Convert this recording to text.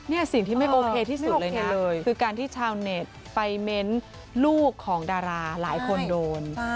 นี่สิ่งที่ไม่โอเคที่สุดเลยเนี่ยคือการที่ชาวเน็ตไปเม้นลูกของดาราหลายคนโดน